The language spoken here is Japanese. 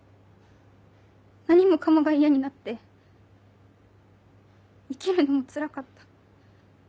何もかもが嫌になって生きるのもつらかった。